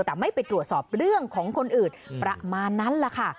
แต่ไม่ไปตรวจสอบเรื่องของคนอื่นประมาณนั้นแหละค่ะ